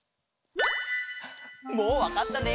もうわかったね。